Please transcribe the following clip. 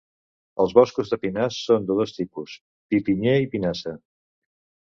Els boscos de pinars són de dos tipus: pi pinyer i pinassa.